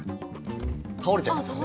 倒れちゃいますね。